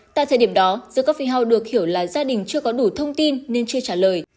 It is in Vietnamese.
tại thời điểm đó the coffee house được hiểu là gia đình chưa có đủ thông tin nên chưa trả lời